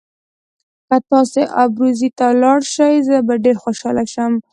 که تاسي ابروزي ته ولاړ شئ زه به ډېر خوشاله شم.